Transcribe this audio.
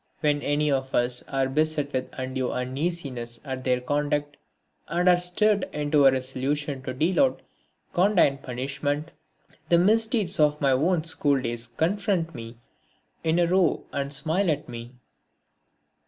When any of us are beset with undue uneasiness at their conduct and are stirred into a resolution to deal out condign punishment, the misdeeds of my own schooldays confront me in a row and smile at me.